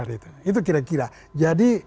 itu kira kira jadi